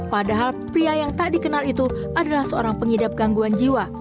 padahal pria yang tak dikenal itu adalah seorang pengidap gangguan jiwa